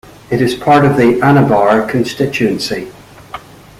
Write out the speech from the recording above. It is part of the Anabar Constituency.